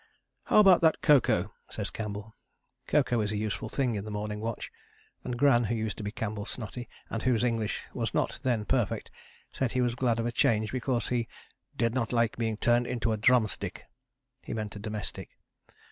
"How about that cocoa?" says Campbell. Cocoa is a useful thing in the morning watch, and Gran, who used to be Campbell's snotty, and whose English was not then perfect, said he was glad of a change because he "did not like being turned into a drumstick" (he meant a domestic).